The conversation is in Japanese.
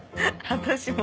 私も。